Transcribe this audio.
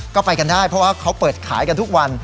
ก็ไปกันได้เพราะว่าเขาเปิดขายกันทุกวัน